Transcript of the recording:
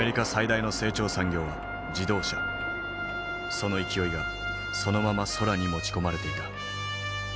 その勢いがそのまま空に持ち込まれていた。